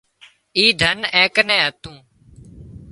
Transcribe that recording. اي ڌن اين ڪنين هتون